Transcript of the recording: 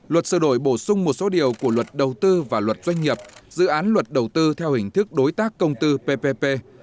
luật sửa đổi bổ sung một số điều của luật đầu tư và luật doanh nghiệp dự án luật đầu tư theo hình thức đối tác công tư ppp